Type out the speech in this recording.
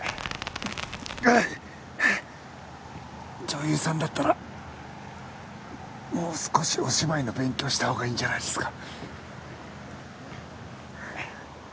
女優さんだったらもう少しお芝居の勉強したほうがいいんじゃないですか？